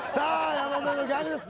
山添のギャグです